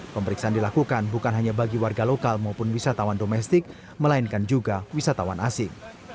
pemeriksaan dilakukan bukan hanya bagi warga lokal maupun wisatawan domestik melainkan juga wisatawan asing